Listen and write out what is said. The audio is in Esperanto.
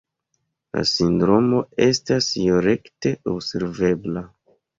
La sindromo estas io rekte observebla.